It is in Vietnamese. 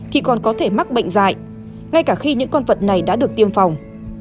thì còn có thể mắc bệnh dạy ngay cả khi những con vật này đã được tiêm phòng